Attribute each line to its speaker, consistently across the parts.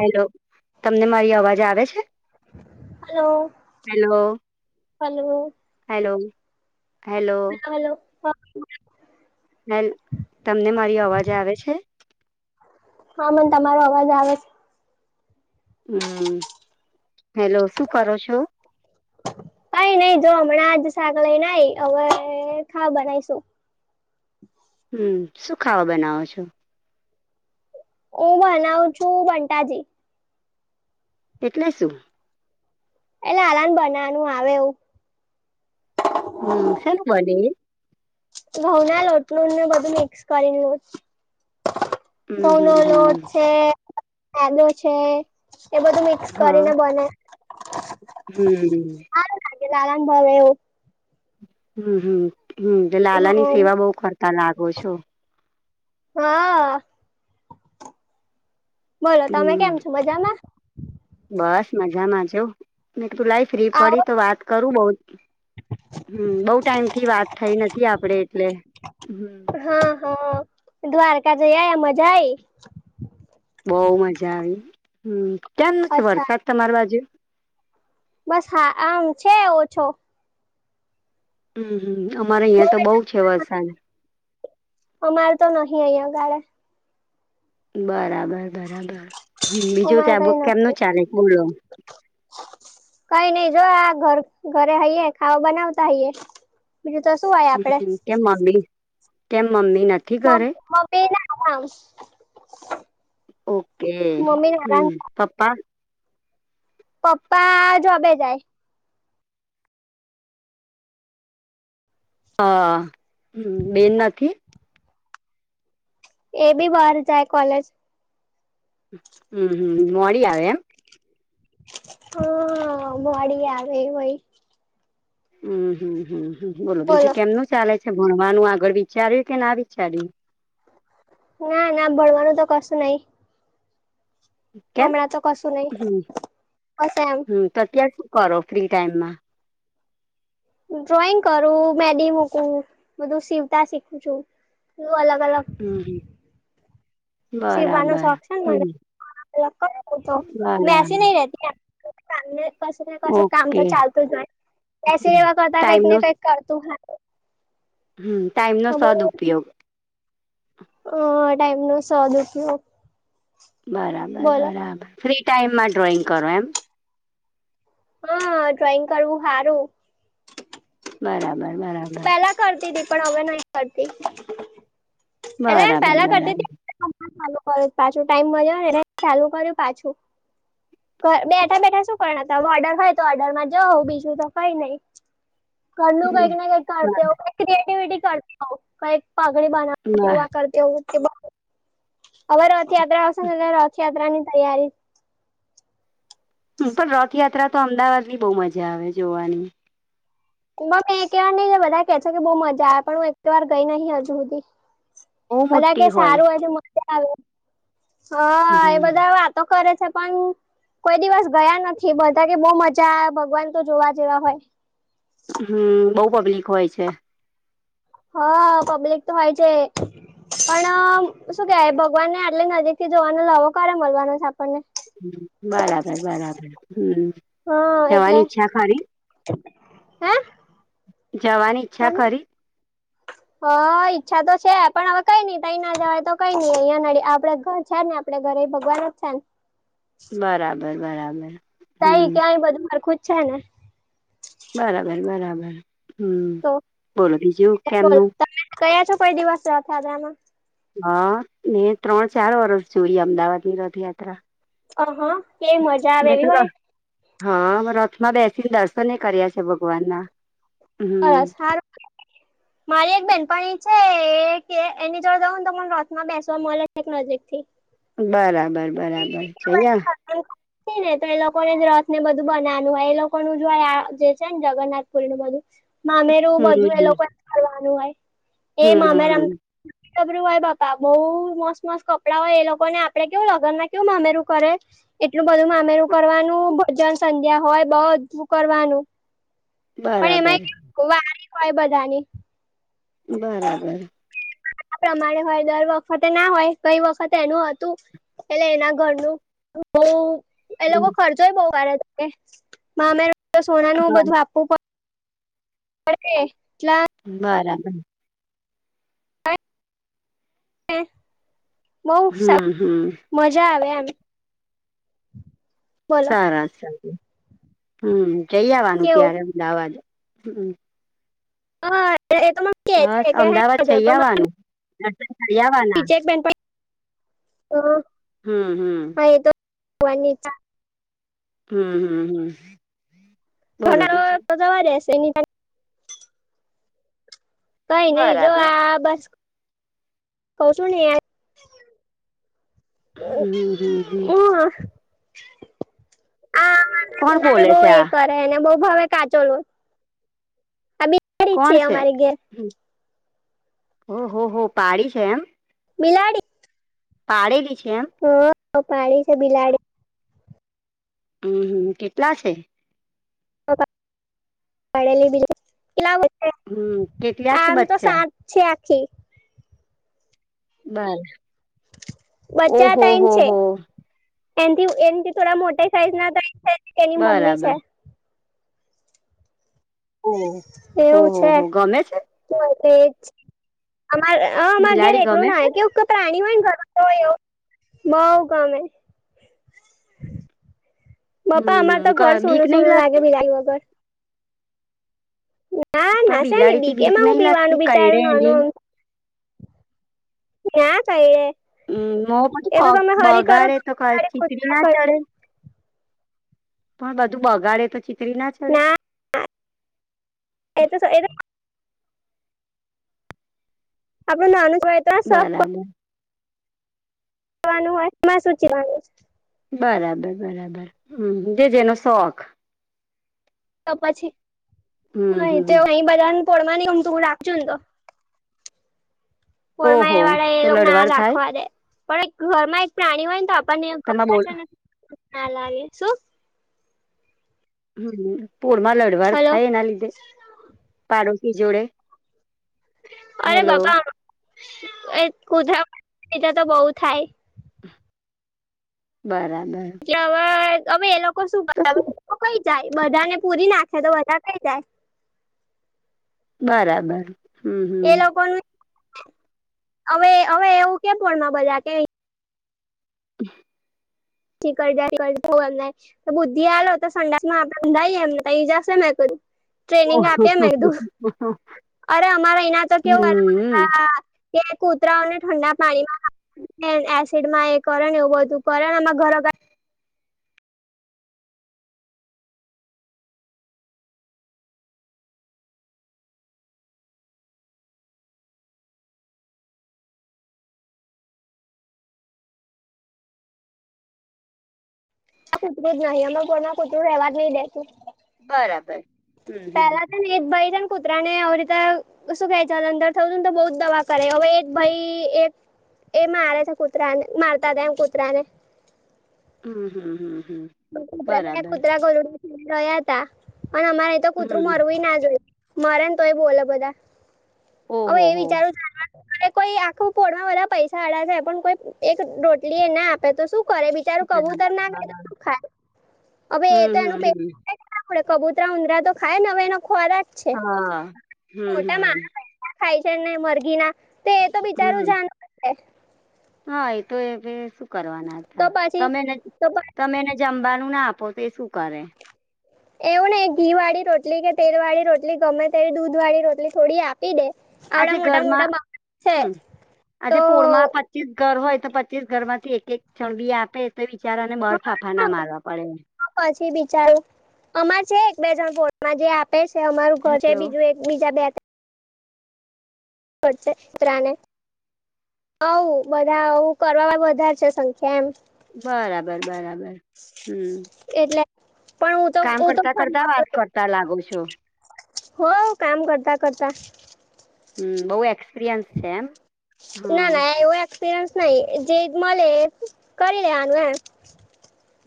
Speaker 1: Hello તમને મારી અવાજ આવે છે
Speaker 2: hello
Speaker 1: hello
Speaker 2: hello
Speaker 1: hello hello
Speaker 2: hello
Speaker 1: હ તમને મારી અવાજ આવે છે
Speaker 2: હા મને તમારો અવાજ આવે છે
Speaker 1: હમ હેલો શું કરો છો
Speaker 2: કઈ નઈ જો હમણાં જ શાક લઈ નાઈ હવે ખા બનાવીશું
Speaker 1: હમ શું ખાવાો બનાવો છો
Speaker 2: હું બનાવું છું બંટાજી
Speaker 1: એટલે શું
Speaker 2: એટલે આરાન બનાવવાનું આવે એવું
Speaker 1: હમ શન બલી
Speaker 2: ઘઉં ના લોટલું ને બધું મિક્સ કરી લું
Speaker 1: હમ
Speaker 2: ઘઉં નો
Speaker 1: હમ
Speaker 2: લોટ
Speaker 1: હમ
Speaker 2: છે આદો છે એ બધું
Speaker 1: હા
Speaker 2: કરીને બને
Speaker 1: હમ
Speaker 2: આ આરામ ભાવવ
Speaker 1: હમ હમ હમ લાલા ની સેવા બહ કરરતા લાગો છો
Speaker 2: હા બોલો તમે
Speaker 1: હમ
Speaker 2: કેમ છો મજામાં
Speaker 1: બસ મજામાં જા મે તું લાઈ ફ્રી
Speaker 2: આવો
Speaker 1: પડી તો વાત કરું બઉ હમ બઉ ટાઈમ થી વાત થઈ નથી આપડે એટલે હ
Speaker 2: હા હા દ્વારકા જઈ આ મજા આ
Speaker 1: બહવ મજા આવી હ ત્યામ નથી
Speaker 2: અચ્છા
Speaker 1: વરસાદ તમાર બાજુ
Speaker 2: બસ હા આમ છે ઓછો
Speaker 1: હમ હમ અમારે અહીં તો બહુ છે વરસાદ
Speaker 2: અમારે તો નહિ અહીં ગાળે
Speaker 1: બરાબર બરાબર હ બીજું
Speaker 2: અમારે
Speaker 1: ત્યાં
Speaker 2: કઈ
Speaker 1: બુક કેમ ન
Speaker 2: નથી
Speaker 1: ચાલેોલો
Speaker 2: કઈ નઈ જો આ ઘર ઘરે હૈયે ખાવા બનાવતા હઈયએ બીજું તો શું હોય આપડે
Speaker 1: કે મમ્મી કેમ મમ્મી નથી
Speaker 2: મમ્
Speaker 1: ઘરે?
Speaker 2: મમ્મી ના આરામ
Speaker 1: ઓકે
Speaker 2: મમ્મી ના આરામ
Speaker 1: હમ પપા
Speaker 2: પપ્પા જબ જાય
Speaker 1: હા હ બેન નથી
Speaker 2: એ બી બહાર જાય કોલેજ
Speaker 1: હમ હમ મોડી આવે એમ
Speaker 2: હા મળડી આવે હોાઈ
Speaker 1: હમ હમ હમ બોલો બીજું કેમનું ચાલે છે ભણવાનું આગળ વિચાર્યું કે ના વિચાર્યું
Speaker 2: ના ના ભળવાનું તો કશું નઈ
Speaker 1: કેમ?
Speaker 2: હમણા તો કસું નહી
Speaker 1: હમ્મ,
Speaker 2: કસ એમ
Speaker 1: હમ્મ, તો ત્યાં શું કરો ફ્રી ટાઈમમાં
Speaker 2: ડ્રોઈંગ કરું મેડી મૂકું બધું સીવતા શીખું છું બું અલગ અલગ
Speaker 1: હમ
Speaker 2: સીવવાનો શોખ છે ને
Speaker 1: હમ્મ.
Speaker 2: મને તો મેસી
Speaker 1: બરાબર
Speaker 2: નહી રતી ક કશું ને કશું કામ તો
Speaker 1: ઓકે
Speaker 2: ચાલતું જ હોય પસી એવા કરતા
Speaker 1: ટાઈમ
Speaker 2: કઈક ને
Speaker 1: નો
Speaker 2: કઈક કર તું હા
Speaker 1: હમ ટાાઈમનો સદ ઉપયોગ
Speaker 2: અ ટાઈમ નો સો દખયો
Speaker 1: બરાબર બરાબર ફ્રી ટાઈમમાં ડ્રોઈંગ કરો એમ
Speaker 2: હા ડ્રોઈંગ કરવું સારું
Speaker 1: બરાબર બરાબર
Speaker 2: પેલા કરતી પણ હવે નહી કરતી એટલે એમ
Speaker 1: બરાબર
Speaker 2: પેલા કરતી
Speaker 1: બરાબર
Speaker 2: હતી ચાલુ કર્યો પાછું ટાઈમ મળ્યો એ ચાલુ કર્યું પાછું બેઠા બેઠા શું કરના હતા ઓર્ડર હોાય તો ઓર્ડર માં જા બીજું તો કઈ નહીિ કરલું
Speaker 1: હમ
Speaker 2: કંઈક ના કંઈક કરતા હો ક્રએટવિટી કરતા કઈક પાગડી બનાવતી
Speaker 1: બરાબર.
Speaker 2: હો કરતી હો કે હવે રથયાત્રા આવશે ને એલે રથયાત્રા ની તૈયારી
Speaker 1: પણ રથયાત્રા તો અમદાવાદ ની બહુ મજા આવે જોવાની
Speaker 2: મં એકવાર નહી ગ બધા કે છે કે બહુ મજા આવે પણ હું એક વાર ગઈ નહિ હજુ સુધી
Speaker 1: બહુ
Speaker 2: બધા કે
Speaker 1: મોટી હોય
Speaker 2: સારું હો છે મજા આવે હા એ
Speaker 1: હમ
Speaker 2: બધા વાત તો કરે છે પણ કોઈ દિવસ ગયા નથી બધા કે બહુ મજા ભગવાન તો જોવા જેવા હોય
Speaker 1: હમ બહુ પબ્લિક હોય છે
Speaker 2: હા પબ્લિક તો વય છે પણ શું કેવાય ભગવાન ને આટલે નજીક થી જોવાનો લાવો ક્યારે મળવાનો છે આપણને
Speaker 1: બરાબર બરાબર હમ
Speaker 2: હા એટલે
Speaker 1: જવાની ઈચ્છા ખરી
Speaker 2: હે
Speaker 1: જવાની ઈચ્છા કરી
Speaker 2: હ ઈચ્છા તો છે પણ હવે કઈ નઈ તઈ ના જવાય તો કઈ નઈ અહિયાં ન આપડે ઘર છે ને આપણે ઘરે ભગવાન જ છે ને
Speaker 1: બરાબર બરાબર
Speaker 2: તઈ
Speaker 1: હમ
Speaker 2: ક્યાંય બધું માર ખું જ છે ને
Speaker 1: બરાબર બરાબર હમ
Speaker 2: તો
Speaker 1: બોલો બીજું કેમનું
Speaker 2: કયા છો કોઈ દિવસ હતા હતા એમાં
Speaker 1: હા મેને ત્રણ ચાર વરષ જોઈએ અમદાવાદની રથયાત્રા
Speaker 2: અ હા કેવી મજા આવે
Speaker 1: મેં તો
Speaker 2: એવી હોય
Speaker 1: ર હા રથમાં બેસીને દર્શને કર્યા છે ભગવાન ના
Speaker 2: બ
Speaker 1: હમ
Speaker 2: સાર મારી એક બેહેનપ એ છે એની જો જઉું ને તોને રોથમાં બેસવા મળે એક નજીક થી
Speaker 1: બરાબર બરાબર છેયા
Speaker 2: હ ને તો એ લોકોને જ રથ ને બધું બનાવાનું હોય એ લોકો ન જો આ જે છે ને જગન્નાથ પુરી નું બધું મામેરું બધું એ
Speaker 1: હમ
Speaker 2: લોકોને કરવાનું હોય એ
Speaker 1: હમ
Speaker 2: મામેરામાં ર હોય બાપા બહઉ મસ્ત મસ્ત કપડાં હોય એ લોકો ને આપડે કેવું લખ ના કેવું મામ રું કરે એટલું બધું મામેરું કરવાનું ભજન સંધ્યા હોય બધું કરવાનું પણ
Speaker 1: બરાબર
Speaker 2: એમાં વારી હોય બધાની
Speaker 1: બરાબર
Speaker 2: આ પ્રમાણે હોય દર વખતે ના હોય કઈ વખતે એનું હતું એટલે એના ઘરનું બઉ એ લોકો ખર્ચોય બહ વારે ત મામે તો સોનાનું બધું આપવું પડે બટલા
Speaker 1: બરાબર હમ હમ
Speaker 2: બઉ મજા આવે આમ
Speaker 1: સારસ સરાર હમ જઈ આવવાનું
Speaker 2: કેવું
Speaker 1: ત્યારે અમદાવાદ હ
Speaker 2: હ એ તો કે
Speaker 1: બસ
Speaker 2: છે કે હે,
Speaker 1: અમદાવાદ જઈ આવવાનું કરી આવવાના
Speaker 2: વિજનપ હ
Speaker 1: હમ હમ
Speaker 2: તોની-
Speaker 1: હમ હમ હમ બોલો
Speaker 2: ઘણા
Speaker 1: બીજું
Speaker 2: તો જવા રહેશે એની કઈ નઈ જો
Speaker 1: બરાબર
Speaker 2: આ બસ કઉ છું નહી હ
Speaker 1: હમ હમ હમ
Speaker 2: આ
Speaker 1: કોણ
Speaker 2: બિલાડી
Speaker 1: બોલે
Speaker 2: બહ
Speaker 1: છે આ
Speaker 2: એ કરે અનેને બઉ ભાવ કાચો લો
Speaker 1: કોણ છે
Speaker 2: અમારી ઘેર
Speaker 1: ઓહ હો પાડી છે એમ
Speaker 2: બિલાડી
Speaker 1: પાડેલી છે એમ
Speaker 2: હ પાણી છે બિલાડી
Speaker 1: હમ હમ કેટલા છે?
Speaker 2: પાડલી બી લમ
Speaker 1: હમ કેટલા છે બચ્ચા?
Speaker 2: છે આખી
Speaker 1: બર
Speaker 2: બચ્ચા
Speaker 1: ઓહો
Speaker 2: તઈન
Speaker 1: હો
Speaker 2: છે
Speaker 1: હો
Speaker 2: એથી એથી થોડા મોટેા સાઈઝ ના દ છે એની મમ્મી
Speaker 1: બરાબર
Speaker 2: છે.
Speaker 1: ઓહ
Speaker 2: એવું
Speaker 1: ઓહો
Speaker 2: છે
Speaker 1: હો ગમે છે
Speaker 2: એજ અ હમાં ઘર
Speaker 1: બિલાડી
Speaker 2: એકલું
Speaker 1: ગમે છે
Speaker 2: ના કેવ પ્રાણી હોય ઘર તો હોય એ બઉ ગમે
Speaker 1: હમ હમ ક બીક નહી લાગતી?
Speaker 2: તાઈ વગર હા
Speaker 1: પણ
Speaker 2: ના સા ન
Speaker 1: બિલાડી થી
Speaker 2: બી
Speaker 1: બીક
Speaker 2: કેમાં હું
Speaker 1: નહી લાગતી
Speaker 2: પીવાનું
Speaker 1: કઈડે
Speaker 2: બિચારું
Speaker 1: એની
Speaker 2: નાનુંમ ના કહીએ
Speaker 1: હમ મો પછી બગાડે તો
Speaker 2: બિલાડી ખુશ
Speaker 1: ચીકડી ના
Speaker 2: કરે.
Speaker 1: ચડે પણ બધું બગાડે તો ચિતરી ના જ
Speaker 2: ના એ એ આપણને આન ક
Speaker 1: બરાબર.
Speaker 2: વાનું હોય એમાં શૂચીવાનું છે.
Speaker 1: બરાબર બરાબર! હમ જે જેનો શોખ.
Speaker 2: તો પછી.
Speaker 1: હમ
Speaker 2: હ તો
Speaker 1: હમ
Speaker 2: અહી બધારને ફડવા ન હમ તું રાખજો ને તો. કોરમા
Speaker 1: ઓહો!
Speaker 2: એ વાળા એ
Speaker 1: તો
Speaker 2: લોકો ના
Speaker 1: લડવાર થાય?
Speaker 2: દખવા દે. પણ એક ઘરમાં એક પ્રાણી હોય ને તો
Speaker 1: તમાર બોલ
Speaker 2: આપણને ના લાવી શું?
Speaker 1: હમ પૂળમાં લડવાર
Speaker 2: હલો
Speaker 1: થાય. એના લીધે પાડોશી જોડે?
Speaker 2: અરે
Speaker 1: હેલો
Speaker 2: બાપા. એ કુધધ તો બહુ થાય.
Speaker 1: બરાબર!
Speaker 2: કે હવે હવે એ લોકો શું કઈ જાય બધા ને પૂરી નાખે તો બધા કઈ જાય.
Speaker 1: બરાબર! હમ
Speaker 2: એ
Speaker 1: હમ.
Speaker 2: લોકો ન હવે હવે એવું કેપણમાં બધા કે.
Speaker 1: [inaudible]
Speaker 2: [unintelligible] તો બુદ્ધિ આલો તો, સંડા માં આપડેંધાઈએ એમ તોઈ જશે મેં ક્યું. ટ્રેનિંગ
Speaker 1: ઓહો
Speaker 2: આપી મેધું. અરે અમારે એના તો કેવું.
Speaker 1: હમ
Speaker 2: કે કૂતરાઓને ઠંડા પાણીમાં એસિડમાં એ કર એવું બધું કર. [unintelligible] આ કૂતરું જ નહીં. અમે ઘરમાં કૂતરું ર રહેવા જ નહીિ દેતુ
Speaker 1: બરાબર હમ હમ!
Speaker 2: એ ભાઈ તન કુત્રરા ને આવ રીતે. શું કે ચ અંદર થવું. ને તો બહુ જ દવા કરે. હવે એક ભાઈ એક એ મારે છે કૂતરા ને મારતા હતા. એમ કૂતરા ને.
Speaker 1: હમ હમ હમ હમ!
Speaker 2: કૂતરાયા
Speaker 1: બરાબર
Speaker 2: કૂતરા ગોરડી રહ્યા હતા. પણ અમારે તો કૂતરું
Speaker 1: હમ
Speaker 2: મરવું ના જોય. મરે ને તોય બોલો બધા. હવે
Speaker 1: ઓહો
Speaker 2: એ
Speaker 1: હો.
Speaker 2: વિચારું ચાલ. અરે કોઈ આખું પોળમાં બધા પૈસા અડા થાય. પણ કોઈ એક રોટલી એ ના આપે તો શું કરે બીજું?
Speaker 1: [inaudible]
Speaker 2: હવે એ તો એનું
Speaker 1: હમ હમ
Speaker 2: પેડે કબૂતરા ઉંદરા તો ખાય ને હવે એ ખ્વારા. છે.
Speaker 1: હા. હમ
Speaker 2: મોટા
Speaker 1: હમ
Speaker 2: માણ ખાય છે ને મરઘી ના. તે એ તો બિચારું
Speaker 1: હમ
Speaker 2: જાણ.
Speaker 1: હા એ તો એ ભ શું કરવાના
Speaker 2: તો
Speaker 1: હતા
Speaker 2: પછી
Speaker 1: તમે.
Speaker 2: તો
Speaker 1: તમે એને જમવાનું ના આપો. તો શું કરે?
Speaker 2: એવું ને ઘી વાળી રોટલી, કે તેલ વાળી રોટલી, ગમે તેવી દૂધ વાળી રોટલી છોડી આપ. કઈ દે આવડા
Speaker 1: આજે
Speaker 2: મોટા
Speaker 1: ઘરમાં
Speaker 2: મોટા બા છે
Speaker 1: હમ આજે
Speaker 2: તો.
Speaker 1: પોળમાં પચીસ ઘર હોય તો, પચીસ ઘર માંથી એક એક છણબી આપે તો બિચારાને બરફાફા ના મારવા પડે.
Speaker 2: પછી બિચારું. અમાર છે એક બે જણ પોર જે. પ છે અર ઘર છે.
Speaker 1: હલો
Speaker 2: બીજું એક બીજા બે. [unintelligible] હ બધાું કરવાવામાં વધારે છે સંખ્યા એમ.
Speaker 1: બરાબર બરાબર હમ!
Speaker 2: એટલે. પણ હું તો હ તો ફતો.
Speaker 1: તા લાગો છો.
Speaker 2: હો કામ કરતા કરતા.
Speaker 1: હમ બહુ એક્સપિરયન્સ છે એમ? હમ.
Speaker 2: એપિરયન્સ નહી. જે મ કરી લેવાનું. એમ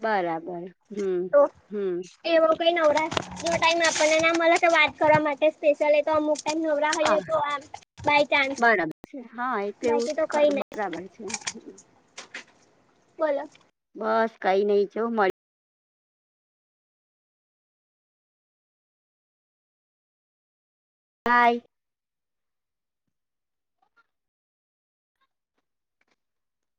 Speaker 1: બરાબર હમ
Speaker 2: તો
Speaker 1: હમ!
Speaker 2: એવો કઈ નવરા નો ટાઈમ આપણને ના મલે તો વાત કરવા માટે, સ્પેશિયલ એ તો અમુક ટાઈમ નવ. ઈએ
Speaker 1: હા
Speaker 2: તો આમ બાયચાન્સ.
Speaker 1: બરાબર
Speaker 2: બાકી તો કઈ નહી.
Speaker 1: હોય છે.
Speaker 2: બોલો.
Speaker 1: બસ કઈ નઈ છ મળ હાય